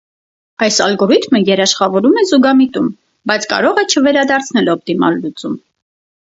Այս ալգորիթմտ երաշխավորում է զուգամիտում, բայց կարող է չվերադարձնել օպտիմալ լուծում։